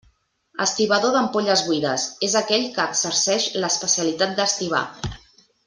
Estibador d'ampolles buides: és aquell que exerceix l'especialitat d'estibar.